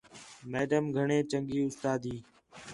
میڈم گھݨیں چنڳی اُستاد ہی